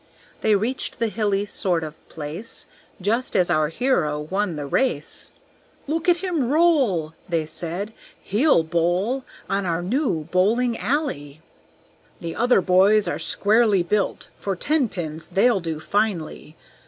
They reached the hilly sort of place Just as our hero won the race; "Look at him roll!" They said. "He'll bowl On our new bowling alley. "The other boys are squarely built; For tenpins they'll do finely!